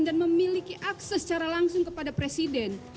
dan memiliki akses secara langsung kepada presiden